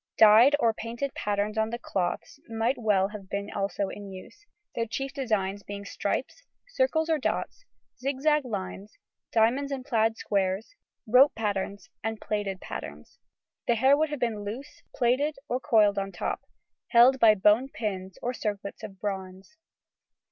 Dyed or painted patterns on the cloths might well have been also in use, their chief designs being stripes, circles or dots, zigzag lines, diamonds and plaid squares, rope patterns and plaited patterns. The hair would have been loose, plaited, or coiled on top, held by bone pins or circlets of bronze.